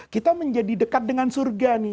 kita menjadi dekat dengan surga nih